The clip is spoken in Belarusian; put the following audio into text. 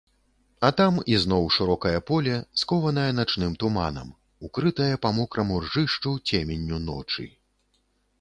А там ізноў шырокае поле, скованае начным туманам, укрытае па мокраму ржышчу цеменню ночы.